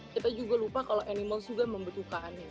kita juga lupa kalau animal juga membutuhkannya